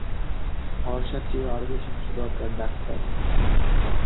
ভরসার চেয়েও আরো বেশি কিছু দরকার, ডাক্তার!